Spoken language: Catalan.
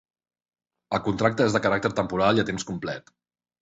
El contracte és de caràcter temporal i a temps complet.